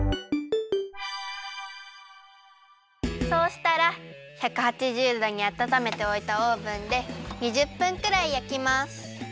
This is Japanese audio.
そうしたら１８０どにあたためておいたオーブンで２０分くらいやきます。